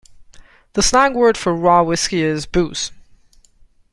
The slang word for raw whiskey is booze.